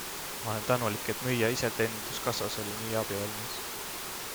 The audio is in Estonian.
Ma olen tänulik, et müüja iseteeninduskassas oli nii abivalmis.